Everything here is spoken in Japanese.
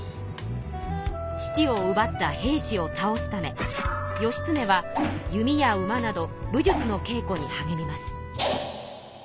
父をうばった平氏を倒すため義経は弓や馬など武術の稽古に励みます。